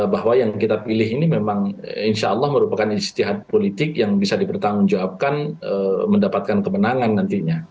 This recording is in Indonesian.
bahwa yang kita pilih ini memang insya allah merupakan istihad politik yang bisa dipertanggungjawabkan mendapatkan kemenangan nantinya